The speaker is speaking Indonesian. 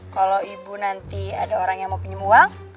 kalau ibu nanti ada orang yang mau pinjam uang